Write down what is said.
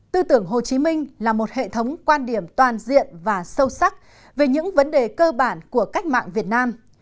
tư tưởng hồ chí minh là một hệ thống quan điểm toàn diện và sâu sắc về những vấn đề cơ bản của cách mạng việt nam